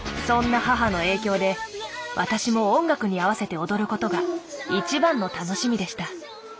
そんな母の影響で私も音楽に合わせて踊ることが一番の楽しみでした。